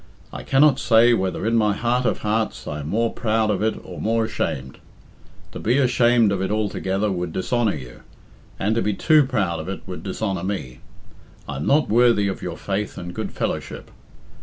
I cannot say whether in my heart of hearts I am more proud of it or more ashamed. To be ashamed of it altogether would dishonour you, and to be too proud of it would dishonour me, I am not worthy of your faith and good fellowship.